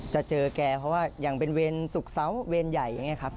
จะเจอแกเพราะว่าอย่างเป็นเวรสุขเซาเวรใหญ่อย่างนี้ครับ